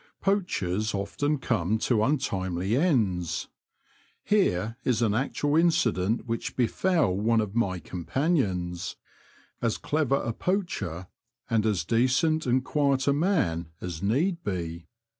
Poachers often come to untimely ends. Here is an actual incident which befell one 84 ^he Confessions of a Poacher. of my companions — as clever a poacher, and as decent and quiet a man as need be.